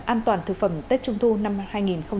an toàn thực phẩm tết trung thu năm hai nghìn hai mươi